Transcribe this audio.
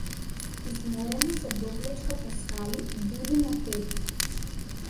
Изморено се довлечка по скали дури на петти.